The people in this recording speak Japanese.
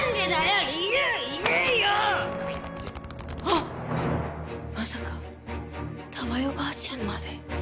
あっまさか玉代ばあちゃんまで。